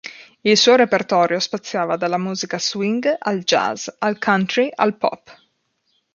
Il suo repertorio spaziava dalla musica swing, al jazz, al country, al pop.